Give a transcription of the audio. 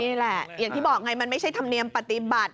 อย่างที่บอกไงมันไม่ใช่ธรรมเนียมปฏิบัติ